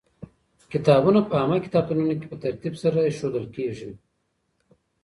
کتابونه په عامه کتابتونونو کي په ترتيب سره ايښودل کېږي.